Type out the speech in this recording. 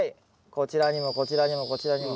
こちらにもこちらにもこちらにも。